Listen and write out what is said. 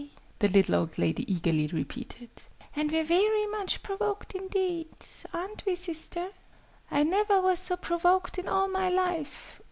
the little old lady eagerly repeated. "And we're very much provoked indeed. Aren't we, sister?" "I never was so provoked in all my life!"